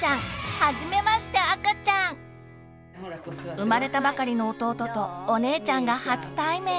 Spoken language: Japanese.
生まれたばかりの弟とお姉ちゃんが初対面。